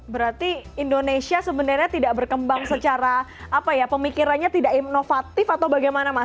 berarti indonesia sebenarnya tidak berkembang secara apa ya pemikirannya tidak inovatif atau bagaimana mas